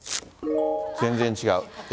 全然違う。